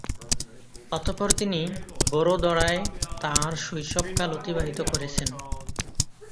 অতঃপর তিনি বড়োদরায় তাঁর শৈশবকাল অতিবাহিত করেছেন।